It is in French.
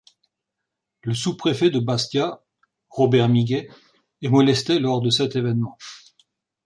Le sous-préfet de Bastia Robert Miguet est molesté lors de cet événement.